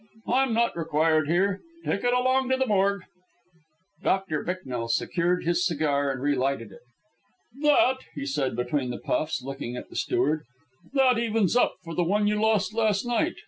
I'm not required here. Take it along to the morgue." Doctor Bicknell secured his cigar and relighted it. "That," he said between the puffs, looking at the steward, "that evens up for the one you lost last night.